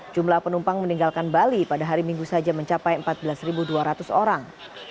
jumlah penumpang meninggalkan bali pada hari minggu saja mencapai empat belas dua ratus orang